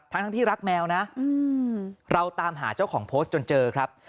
ทั้งที่รักแมวนะเราตามหาเจ้าของโพสต์จนเจอครับ